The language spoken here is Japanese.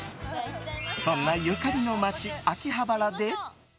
そんなゆかりの街・秋葉原で。